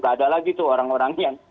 tak ada lagi tuh orang orang yang